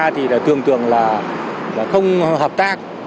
thì thường tưởng là không hợp tác